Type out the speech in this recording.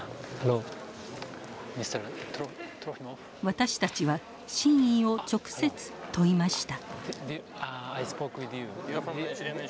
私たちは真意を直接問いました。